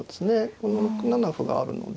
この６七歩があるので。